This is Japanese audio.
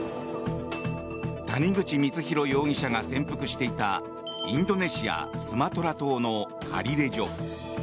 谷口光弘容疑者が潜伏していたインドネシア・スマトラ島のカリレジョ。